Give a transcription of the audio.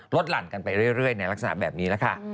หลั่นกันไปเรื่อยในลักษณะแบบนี้แหละค่ะ